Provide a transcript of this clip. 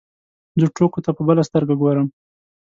زه ټوکو ته په بله سترګه ګورم.